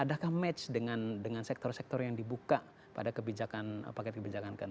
adakah match dengan sektor sektor yang dibuka pada kebijakan paket kebijakan ke enam belas